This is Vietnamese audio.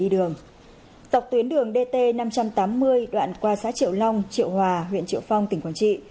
đây là nơi năm trăm tám mươi đoạn qua xã triệu long triệu hòa huyện triệu phong tỉnh quảng trị